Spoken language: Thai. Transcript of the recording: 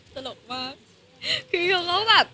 ตลกมาก